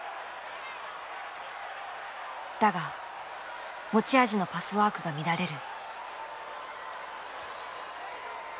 だが持ち味のパスワークが乱れる。